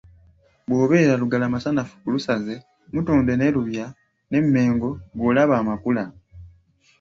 "Bw’obeera Lugala Masanafu ku Lusaze, Mutundwe ne Lubya n’eMengo ggwe olaba amakula."